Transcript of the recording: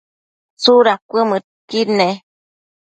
tsuda cuëmëdqui nec?